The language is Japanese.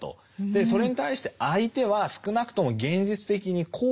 それに対して相手は少なくとも現実的に行為をしていた。